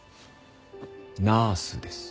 ナースです。